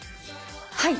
はい！